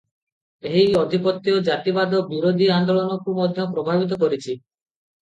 ଏହି ଆଧିପତ୍ୟ ଜାତିବାଦ-ବିରୋଧୀ ଆନ୍ଦୋଳନକୁ ମଧ୍ୟ ପ୍ରଭାବିତ କରିଛି ।